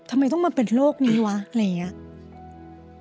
ทำไมต้องมาเป็นโรคนี้วะอะไรอย่างนี้